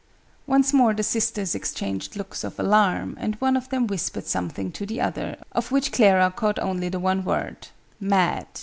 Once more the sisters exchanged looks of alarm, and one of them whispered something to the other, of which Clara caught only the one word "mad."